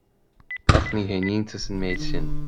Ach ní h-aon íontas an méid sin